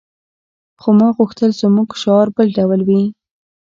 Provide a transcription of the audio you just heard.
خو ما غوښتل زموږ شعار بل ډول وي